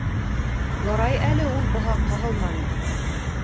Ярай әле ул быға ҡағылманы.